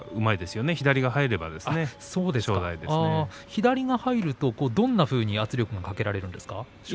左が入るとどんなふうに圧力がかけられるんですか。